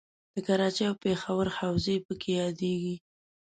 د کراچۍ او پېښور حوزې پکې یادیږي.